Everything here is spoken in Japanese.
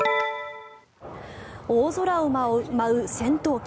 大空を舞う戦闘機。